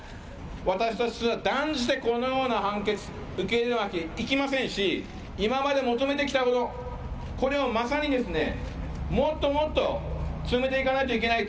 私たちは断じてこのような判決を受け入れるわけにはいきませんし今まで求めてきたこと、これをまさにもっともっと強めていかないといけない。